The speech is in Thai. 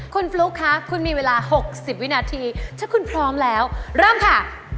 คุณฟลุ๊กคะคุณมีเวลา๖๐วินาทีถ้าคุณพร้อมแล้วเริ่มค่ะ